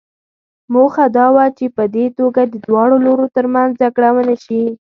موخه دا وه چې په دې توګه د دواړو لورو ترمنځ جګړه ونه شي.